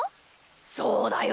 そうだよ。